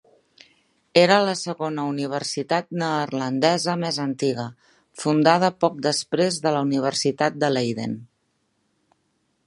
Era la segona universitat neerlandesa més antiga, fundada poc després de la Universitat de Leiden.